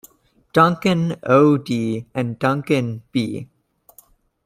Duncan, O. D. and Duncan, B.